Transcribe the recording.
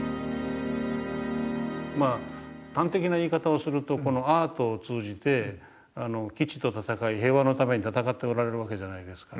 端的な言い方をするとこのアートを通じて基地と戦い平和のために闘っておられるわけじゃないですか。